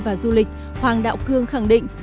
và du lịch hoàng đạo cương khẳng định